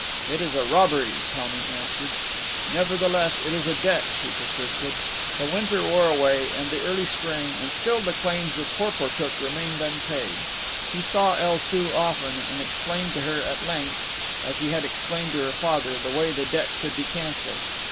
"It is a robbery," Tommy answered. "Nevertheless, it is a debt," she persisted. The winter wore away, and the early spring, and still the claims of Porportuk remained unpaid. He saw El Soo often and explained to her at length, as he had explained to her father, the way the debt could be cancelled.